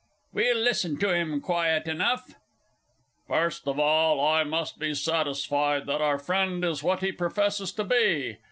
"We'll listen to him quiet enough!"_) First of all, I must be satisfied that our Friend is what he professes to be.